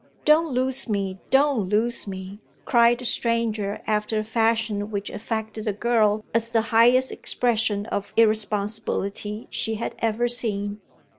"Don't lose me, don't lose me!" cried the stranger after a fashion which affected the girl as the highest expression of irresponsibility she had ever seen.